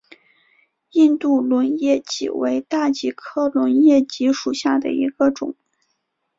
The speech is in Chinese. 印度轮叶戟为大戟科轮叶戟属下的一个种。